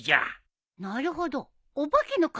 なるほどお化けの感じか。